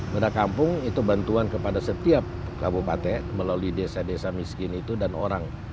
beda kampung itu bantuan kepada setiap kabupaten melalui desa desa miskin itu dan orang